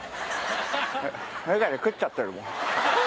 メガネ食っちゃってるもん。